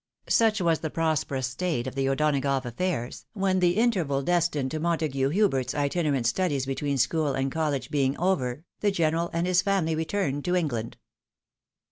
Such was the prosperous state of the O'Donagough affairs, when the interval destined to Montagu Hubert's itinerant studies between school and college being over, the general and his family returned to England.